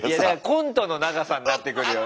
コントの長さになってくるよね。